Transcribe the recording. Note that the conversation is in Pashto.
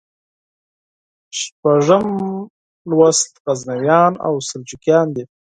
شپږم لوست غزنویان او سلجوقیان دي.